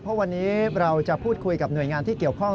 เพราะวันนี้เราจะพูดคุยกับหน่วยงานที่เกี่ยวข้อง